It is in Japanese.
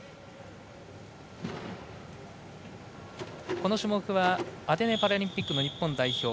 この種目はアテネパラリンピックの日本代表